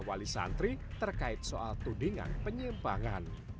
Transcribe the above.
wali santri terkait soal tudingan penyimpangan